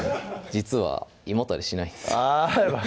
実は胃もたれしないんですあぁ